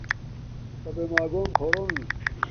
کبݺ مݳگݸم خݸرݸنڅ.